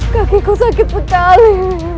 kaki ku sakit sekali